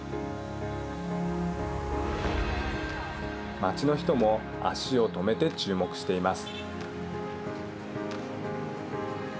街の人も足を止めて注目しています。